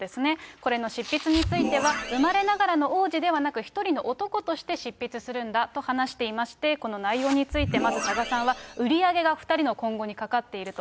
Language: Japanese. これの執筆については、生まれながらの王子ではなく、一人の男として執筆するんだと話していまして、この内容について、まず多賀さんは売り上げが２人の今後にかかっていると。